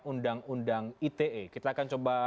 undang undang ite kita akan coba